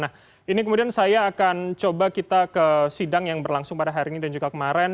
nah ini kemudian saya akan coba kita ke sidang yang berlangsung pada hari ini dan juga kemarin